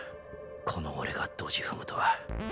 この俺がドジ踏むとは